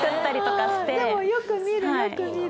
でもよく見るよく見る。